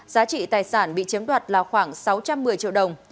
giá trị tài sản bị chiếm đoạt là khoảng sáu trăm một mươi triệu đồng